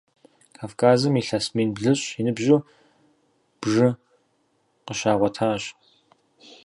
Кавказым илъэс мин блыщӏ и ныбжьу бжы къыщагъуэтащ.